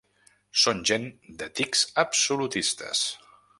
Són gent de tics absolutistes.